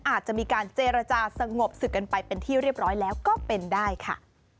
อาจจะมีการเจรจาสงบสึกกันไปเป็นที่เรียบร้อยแล้วก็เป็นได้ค่ะ